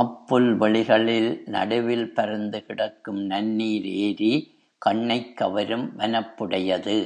அப் புல்வெளிகளில் நடுவில் பரந்து கிடக்கும் நன்னீர் ஏரி, கண்ணைக் கவரும் வனப்புடையது.